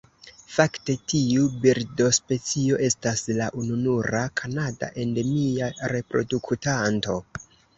Fakte tiu birdospecio estas la ununura kanada endemia reproduktanto.